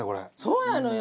そうなのよ